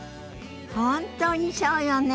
本当にそうよね。